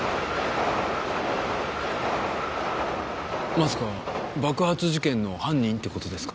まさか爆発事件の犯人って事ですか？